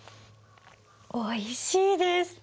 おいしいです！